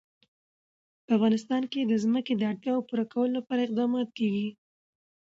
په افغانستان کې د ځمکه د اړتیاوو پوره کولو لپاره اقدامات کېږي.